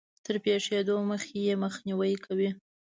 تر پېښېدو مخکې يې مخنيوی کوي.